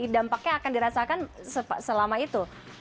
dampaknya akan dirasakan selama itu